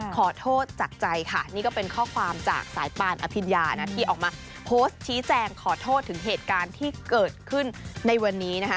ขอโทษจากใจค่ะนี่ก็เป็นข้อความจากสายปานอภิญญานะที่ออกมาโพสต์ชี้แจงขอโทษถึงเหตุการณ์ที่เกิดขึ้นในวันนี้นะคะ